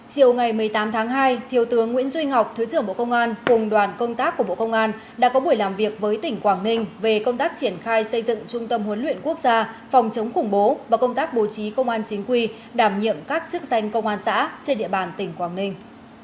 chiều ngày một mươi tám tháng hai thiếu tướng nguyễn duy ngọc thứ trưởng bộ công an cùng đoàn công tác của bộ công an đã có buổi làm việc với tỉnh quảng ninh về công tác triển khai xây dựng trung tâm huấn luyện quốc gia phòng chống khủng bố và công tác bố trí công an chính quy đảm nhiệm các chức danh công an xã trên địa bàn tỉnh quảng ninh